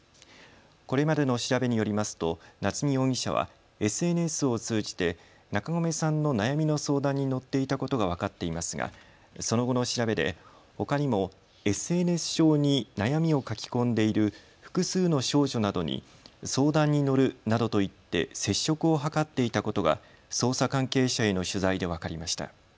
これまでの調べによりますと夏見容疑者はＳＮＳを通じて中込さんの悩みの相談に乗っていたことが分かっていますがその後の調べでほかにもＳＮＳ上に悩みを書き込んでいる複数の少女などに相談に乗るなどと言って接触を図っていたことが捜査関係者への取材で分かりました。